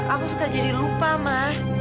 aku suka jadi lupa mah